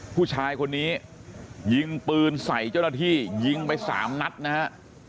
ผู้ชายคนนี้ยิงปืนใส่เจ้าหน้าที่ยิงไปสามนัดนะฮะ